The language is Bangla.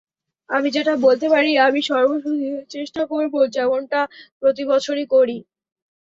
আমি যেটা বলতে পারি, আমি সর্বস্ব দিয়ে চেষ্টা করব, যেমনটা প্রতিবছরই করি।